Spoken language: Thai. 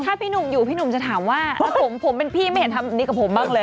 ถ้าพี่หนูอยู่พี่หนูจะถำว่าผมเป็นพี่ไม่เห็นทำดีกว่าผมบ้างเลย